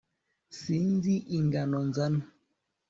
sinzi ingano nzana